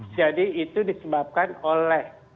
jadi itu disebabkan oleh